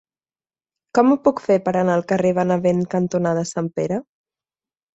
Com ho puc fer per anar al carrer Benevent cantonada Sant Pere?